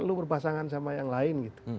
lu berpasangan sama yang lain